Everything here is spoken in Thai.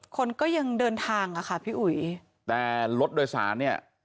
คนก็ยังเดินทางอ่ะค่ะพี่อุ๋ยแต่รถโดยสารเนี่ย